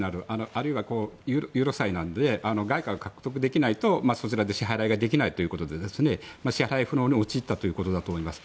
あるいはユーロ債なんで外貨を獲得できないと、そちらで支払いができないということで支払い不能に陥ったということだと思います。